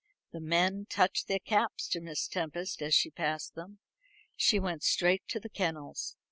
The men touched their caps to Miss Tempest as she passed them. She went straight to the kennels.